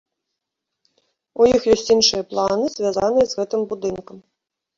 У іх ёсць іншыя планы, звязаныя з гэтым будынкам.